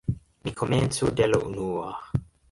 Mi komencu de la unua.